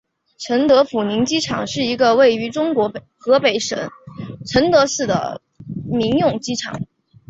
承德普宁机场是一个位于中国河北省承德市的民用机场。